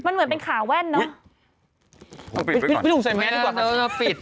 ไปตรงด้านแมพ่อีกก่อน